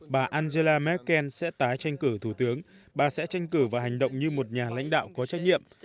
bà angela merkel sẽ tái tranh cử thủ tướng bà sẽ tranh cử và hành động như một nhà lãnh đạo có trách nhiệm